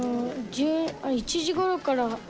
１時ごろから。